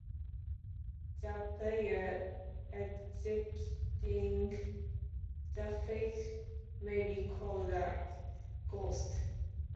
The player executing the fake may be called the "ghost".